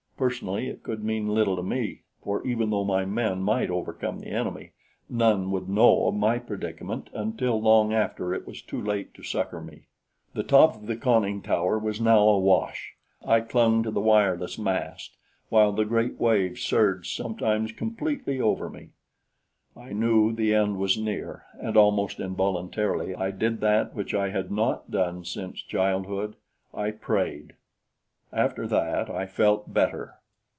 Personally it could mean little to me, for even though my men might overcome the enemy, none would know of my predicament until long after it was too late to succor me. The top of the conning tower was now awash. I clung to the wireless mast, while the great waves surged sometimes completely over me. I knew the end was near and, almost involuntarily, I did that which I had not done since childhood I prayed. After that I felt better.